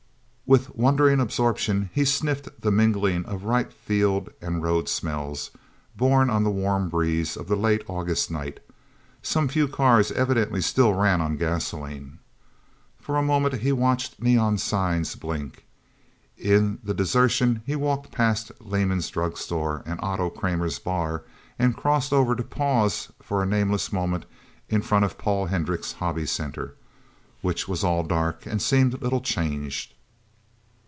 With wondering absorption he sniffed the mingling of ripe field and road smells, borne on the warm breeze of the late August night. Some few cars evidently still ran on gasoline. For a moment he watched neon signs blink. In the desertion he walked past Lehman's Drug Store and Otto Kramer's bar, and crossed over to pause for a nameless moment in front of Paul Hendricks' Hobby Center, which was all dark, and seemed little changed.